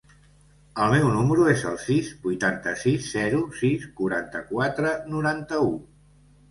El meu número es el sis, vuitanta-sis, zero, sis, quaranta-quatre, noranta-u.